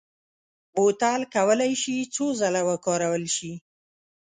بوتل کولای شي څو ځله وکارول شي.